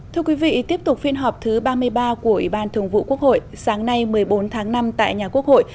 thưa quý vị tiếp tục phiên họp thứ ba mươi ba của ủy ban thường vụ quốc hội sáng nay một mươi bốn tháng năm tại nhà quốc hội